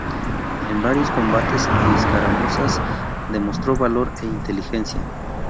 En varios combates y escaramuzas demostró valor e inteligencia.